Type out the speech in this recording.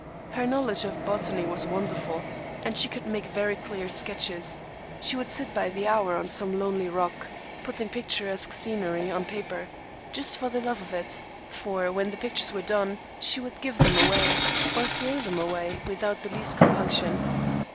Her knowledge of botany was wonderful, and she could make very clever sketches; she would sit by the hour on some lonely rock, putting picturesque scenery on paper, just for the love of it; for when the pictures were done she would give them away or throw them away without the least compunction.